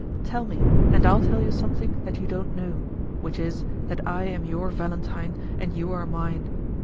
Tell me, and I'll tell you something that you don't know, which is, that I am your Valentine and you are mine.